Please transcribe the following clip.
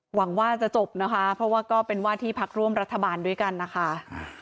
หวังว่าจะจบนะคะเพราะว่าก็เป็นว่าที่พักร่วมรัฐบาลด้วยกันนะคะ